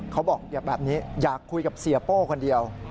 เขาบอกแบบนี้อยากคุยกับเสียโป้คนเดียว